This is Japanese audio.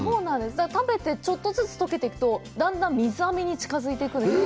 食べて、ちょっとずつ溶けていくとだんだん水あめに近づいていくんです。